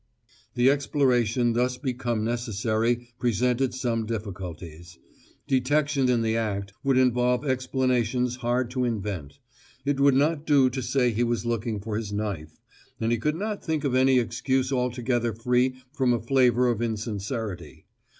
The exploration thus become necessary presented some difficulties. Detection in the act would involve explanations hard to invent; it would not do to say he was looking for his knife; and he could not think of any excuse altogether free from a flavour of insincerity.